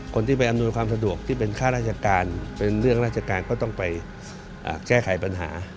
คนที่ไปอำนวยความสะดวกที่เป็นค่าราชการเป็นเรื่องราชการก็ต้องไปแก้ไขปัญหา